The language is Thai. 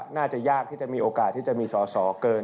น่าจะยากที่จะมีโอกาสที่จะมีสอสอเกิน